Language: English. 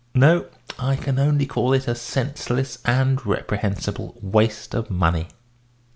No, I can only call it a senseless and reprehensible waste of money."